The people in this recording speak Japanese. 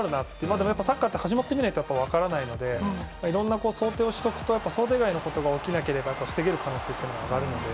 でも、サッカーって始まってみないと分からないのでいろんな想定をしておくと想定外のことが起きなければ防げる可能性は上がるので。